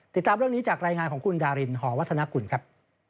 ติดตามเรื่องนี้จากรายงานของคุณดารินหอวัฒนกุลครับ